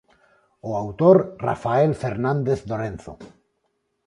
O autor, Rafael Fernández Lorenzo.